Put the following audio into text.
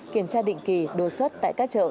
kiểm tra định kỳ đồ xuất tại các chợ